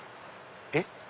えっ？